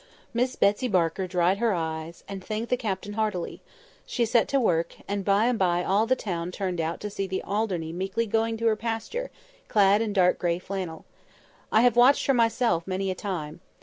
Miss Betsy Barker dried her eyes, and thanked the Captain heartily; she set to work, and by and by all the town turned out to see the Alderney meekly going to her pasture, clad in dark grey flannel. I have watched her myself many a time.